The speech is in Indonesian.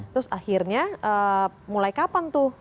terus akhirnya mulai kapan tuh